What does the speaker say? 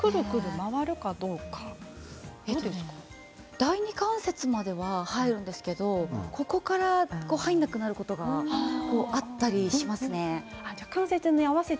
第二関節までは入るんですけどここから入らなくなることがあったりしますね。